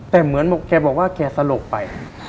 แต่เหมือนแกบอกว่าแกสลบไป